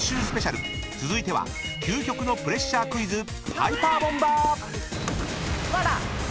スペシャル続いては究極のプレッシャークイズハイパーボンバー！］